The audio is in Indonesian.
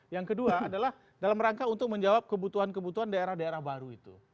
yang kedua adalah dalam rangka untuk menjawab kebutuhan kebutuhan daerah daerah baru itu